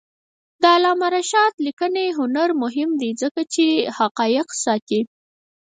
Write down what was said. د علامه رشاد لیکنی هنر مهم دی ځکه چې حقایق ساتي.